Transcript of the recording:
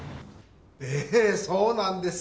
ええそうなんです。